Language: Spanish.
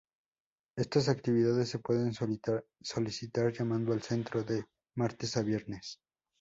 Estas actividades se pueden solicitar llamando al centro de martes a viernes.